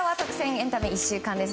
エンタメ１週間です。